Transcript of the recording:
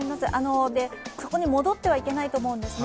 そこに戻ってはいけないと思うんですね。